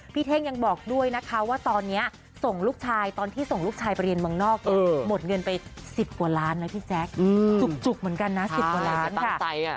เท่งยังบอกด้วยนะคะว่าตอนนี้ส่งลูกชายตอนที่ส่งลูกชายไปเรียนเมืองนอกเนี่ยหมดเงินไป๑๐กว่าล้านนะพี่แจ๊คจุกเหมือนกันนะ๑๐กว่าล้านค่ะ